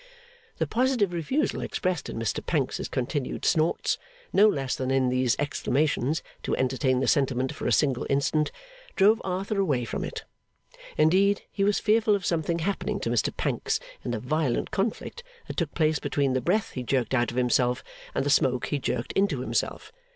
The positive refusal expressed in Mr Pancks's continued snorts, no less than in these exclamations, to entertain the sentiment for a single instant, drove Arthur away from it. Indeed, he was fearful of something happening to Mr Pancks in the violent conflict that took place between the breath he jerked out of himself and the smoke he jerked into himself.